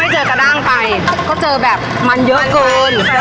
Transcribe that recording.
เจอกระด้างไปก็เจอแบบมันเยอะเกิน